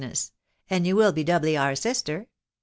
and yen will be doubly oar sister?